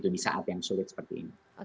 di saat yang sulit seperti ini